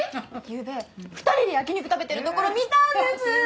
ゆうべ２人で焼き肉食べてるところ見たんです！